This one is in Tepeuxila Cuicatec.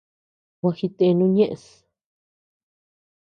Gua jitenu ñeʼes.